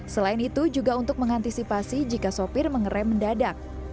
selain itu juga untuk mengantisipasi jika sopir mengerai mendadak